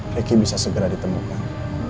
riki bisa segera ditemukan